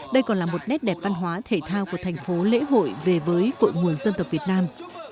đây còn là một nét đẹp văn hóa thể thao của thành phố lễ hội về với cội nguồn dân tộc việt nam